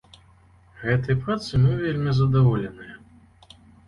Гэтай працай мы вельмі задаволеныя.